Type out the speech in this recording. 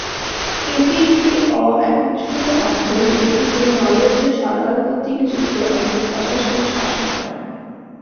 এটি একটি অ-একত্রীভূত অঞ্চল যেটিকে নরওয়েজীয় সরকার কর্তৃক নিযুক্ত একজন প্রশাসক শাসন করেন।